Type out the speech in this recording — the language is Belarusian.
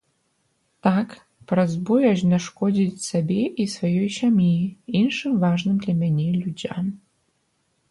Так, праз боязь нашкодзіць сабе і сваёй сям'і, іншым важным для мяне людзям.